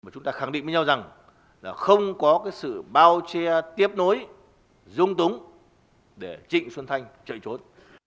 mà chúng ta khẳng định với nhau rằng là không có sự bao che tiếp nối dung túng để trịnh xuân thanh chạy trốn